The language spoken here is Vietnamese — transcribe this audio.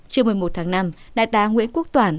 trước một mươi một tháng năm đại tá nguyễn quốc toản